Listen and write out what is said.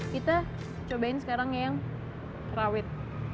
kita cobain sekarang yang rawit